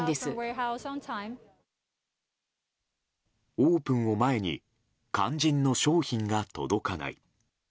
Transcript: オープンを前に肝心の商品が届かない。